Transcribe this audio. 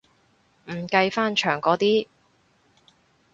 唔計翻牆嗰啲